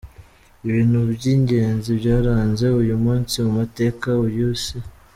Ibintu by’ingenzi byaranze uyu munsi mu mateka uy’isi:.